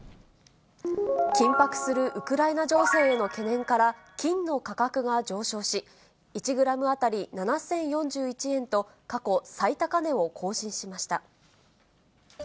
緊迫するウクライナ情勢への懸念から、金の価格が上昇し、１グラム当たり７０４１円と、過去最高値を更新しました。